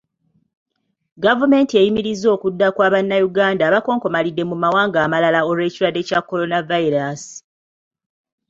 Gavumenti eyimirizza okudda kwa Bannayuganda abakonkomalidde mu mawanga amalala olw'ekirwadde kya Kolanavayiraasi.